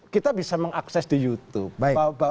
kita bisa mengakses di youtube